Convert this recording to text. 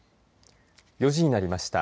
４時になりました。